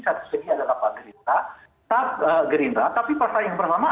satu satunya adalah pak gerindra tapi persaingan bernama